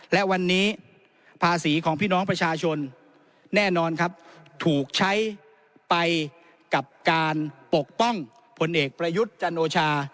และวันนี้ภาษีของพี่น้องประชาชนแน่นอนครับถูกใช้ไปกับการปกป้องผลเอกประยุทธ์จันโอชา